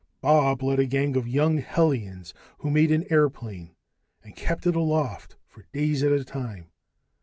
Bob led a gang of young hellions who made an airplane and kept it aloft for days at a time.